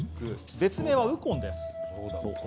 別名はウコンです。